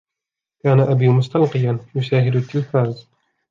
كان أبي مستلقيا ، يشاهد التلفاز.